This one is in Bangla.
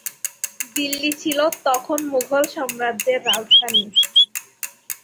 দিল্লী ছিল তখন মুঘল সাম্রাজ্যের রাজধানী।